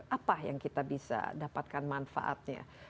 apa yang kita bisa dapatkan manfaatnya